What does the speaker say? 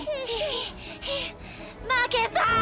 まけた！